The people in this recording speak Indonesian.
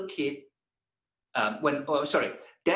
ayah ketika melihat bangunan